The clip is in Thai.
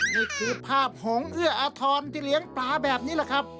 นี่คือภาพหงเอื้ออาทรที่เลี้ยงปลาแบบนี้แหละครับ